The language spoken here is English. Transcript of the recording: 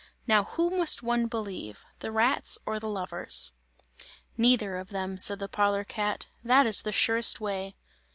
Now who must one believe, the rats or the lovers?" "Neither of them," said the parlour cat, "that is the surest way!"